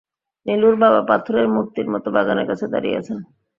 নীলুর বাবা পাথরের মূর্তির মতো বাগানের কাছে দাঁড়িয়ে আছেন।